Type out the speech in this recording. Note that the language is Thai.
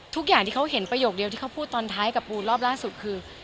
ทุกอย่างที่เขาเห็นประโยคเดียวที่เขาพูดตอนท้ายกับปูรอบล่าสุดคือ